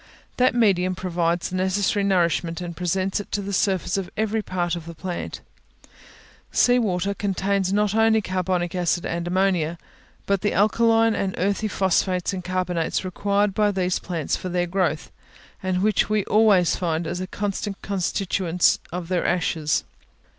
That medium provides the necessary nourishment, and presents it to the surface of every part of the plant. Sea water contains not only carbonic acid and ammonia, but the alkaline and earthy phosphates and carbonates required by these plants for their growth, and which we always find as constant constituents of their ashes.